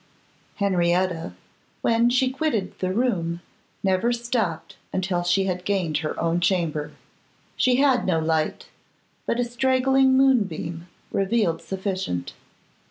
HENRIETTA, when she quitted the room, never stopped until she had gained her own chamber. She had no light but a straggling moonbeam revealed sufficient.